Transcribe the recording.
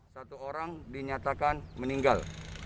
satu orang dinyatakan meninggal